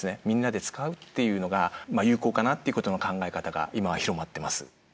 みんなで使うっていうのが有効かなっていうことの考え方が今は広まってます。